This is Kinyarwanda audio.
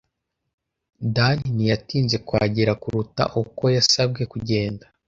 Dan ntiyatinze kuhagera kuruta uko yasabwe kugenda.